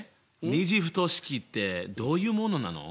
２次不等式ってどういうものなの？